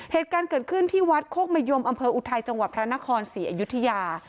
เหตุการณ์เกิดขึ้นที่วัดโคกมะยมอำเภออุทัยจังหวัดพระนครศรีอยุธยา